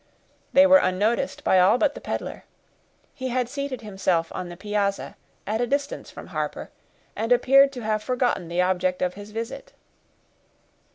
They were unnoticed by all but the peddler. He had seated himself on the piazza, at a distance from Harper, and appeared to have forgotten the object of his visit.